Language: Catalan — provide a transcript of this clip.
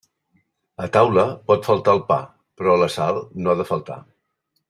A taula pot faltar el pa, però la sal no ha de faltar.